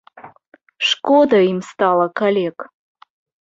Шкода ім стала калек.